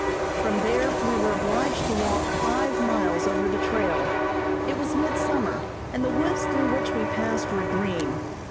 From there we were obliged to walk five miles over the trail. It was midsummer, and the woods through which we passed were green.